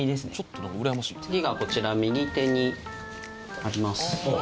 次がこちら右手にあります。